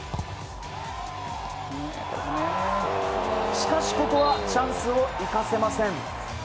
しかし、ここはチャンスを生かせません。